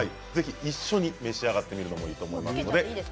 一緒に召し上がってみるのもいいかもしれません。